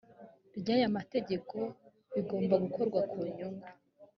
ry aya mategeko bigomba gukorwa ku nyungu